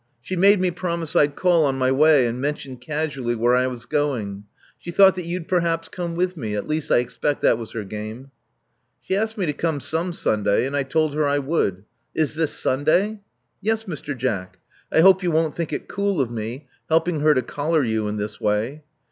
She made me promise I'd call on my way and mention casually where I was going. She thought that you'd perhaps come with me — at least I expect that was her game." She asked me to come some Sunday; and I told her I would. Is this Sunday?" Yes, Mr. Jack. I hope you won't think it cool of me helping her to collar you in this way.